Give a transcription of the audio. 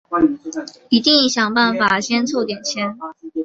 一定想办法先凑点钱